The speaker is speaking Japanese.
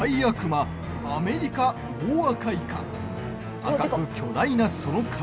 赤く巨大な、その体。